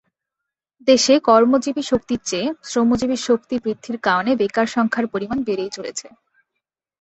দেশে কর্মজীবী শক্তির চেয়ে শ্রমশক্তির বেশি বৃদ্ধির কারণে বেকার সংখ্যার পরিমাণ বেড়েই চলেছে।